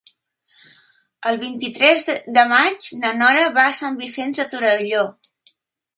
El vint-i-tres de maig na Nora va a Sant Vicenç de Torelló.